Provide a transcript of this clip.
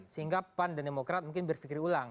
sehingga pan dan demokrat mungkin berpikir ulang